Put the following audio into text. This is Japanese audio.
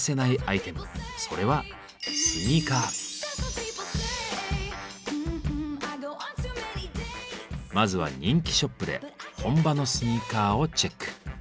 それはまずは人気ショップで本場のスニーカーをチェック。